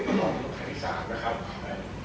คุณพร้อมคุณพร้อมกับเต้ย